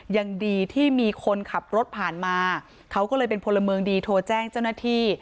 ยังดีที่มีคนขับรถผ่านมาเขาก็เลยเป็นพลเมืองดีโทรแจ้งเจ้าหน้าที่